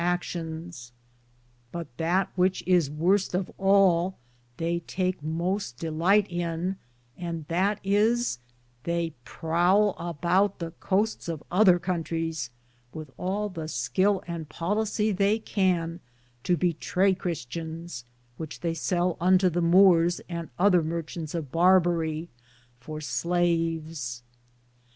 1 5 actions ; but that which is worste of all they take moste delite in, and that is, Theye proule aboute the costes of other contries, with all the skill and pollacie thei can, to betraye cristians, which they sell unto the Moors and other marchantes of Barbaric for slaves.